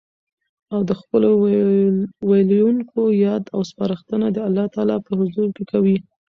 او د خپل ويلوونکي ياد او سپارښتنه د الله تعالی په حضور کي کوي